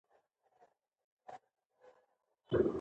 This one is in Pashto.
خاوره د افغانستان د طبیعي پدیدو یو رنګ دی.